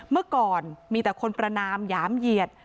เมื่อก่อนมีแต่คนประนามหยามเหยียด